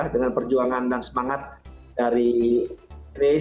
dengan perjuangan dan semangat dari ris dan juga dari apri yang